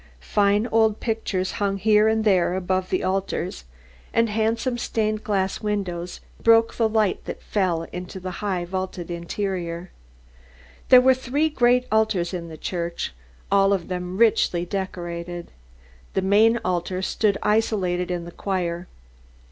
Fine old pictures hung here and there above the altars, and handsome stained glass windows broke the light that fell into the high vaulted interior. There were three great altars in the church, all of them richly decorated. The main altar stood isolated in the choir.